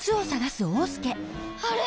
あれ？